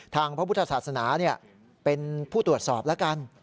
พระพุทธศาสนาเป็นผู้ตรวจสอบแล้วกัน